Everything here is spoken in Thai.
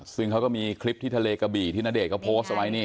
ซึ่งเขาก็มีคลิปที่ทะเลกระบี่ที่ณเดชนเขาโพสต์เอาไว้นี่